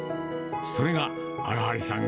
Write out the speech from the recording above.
それが荒張さん